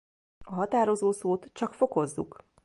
A határozószót csak fokozzuk.